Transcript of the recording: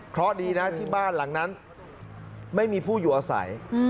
เพราะดีนะที่บ้านหลังนั้นไม่มีผู้อยู่อาศัย